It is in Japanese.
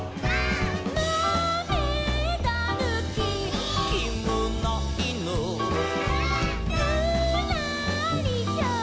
「まめだぬき」「」「きむないぬ」「」「ぬらりひょん」